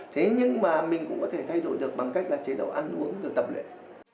thế nhưng mà mình cũng có thể thay đổi được bằng cách là chế độ ăn uống được tập luyện